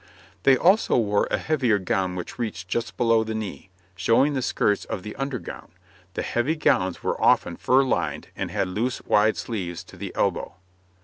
They also wore a heavier gown which reached just below the knee, showing the skirts of the under gown; the heavy gowns were often fur lined, and had loose wide sleeves to the elbow.